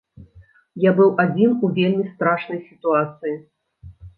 Я быў адзін у вельмі страшнай сітуацыі.